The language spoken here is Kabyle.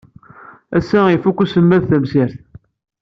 Ass-a i ifukk uselmad tamsirt.